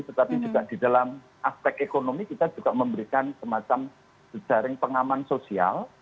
tetapi juga di dalam aspek ekonomi kita juga memberikan semacam jejaring pengaman sosial